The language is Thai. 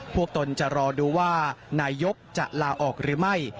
ตนจะรอดูว่านายกจะลาออกหรือไม่